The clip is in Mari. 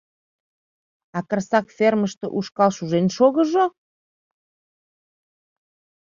— А Карсак фермыште ушкал шужен шогыжо?